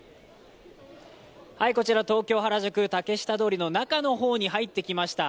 こちら東京・原宿、竹下通りの中の方に入ってきました。